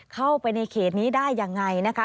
เข้าไปในเขตนี้ได้ยังไงนะคะ